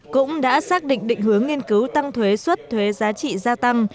cũng đã xác định định hướng nghiên cứu tăng thuế xuất thuế giá trị gia tăng